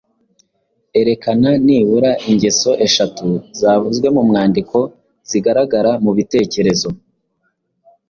Erekana nibura ingeso eshatu zavuzwe mu mwandiko zigaragara mu bitekerezo